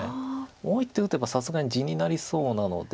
もう１手打てばさすがに地になりそうなので。